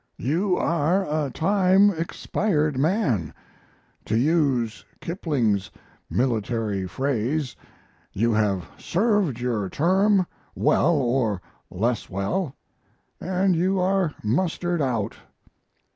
You are a time expired man, to use Kipling's military phrase: You have served your term, well or less well, and you are mustered out.